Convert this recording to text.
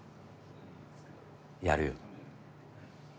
やるよ。